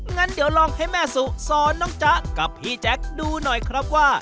งั้นเดี๋ยวลองให้แม่สุสอนน้องจ๊ะกับพี่แจ๊คดูหน่อยครับว่า